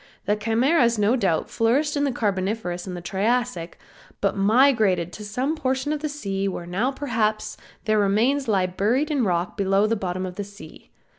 The Chimeras no doubt flourished in the Carboniferous and Triassic, but migrated to some portion of the sea where now perhaps their remains lie buried in rocks below the bottom of the sea.